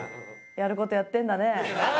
やる事やってるんだね。